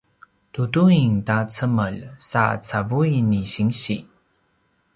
duduin ta cemel sa cavui ni sinsi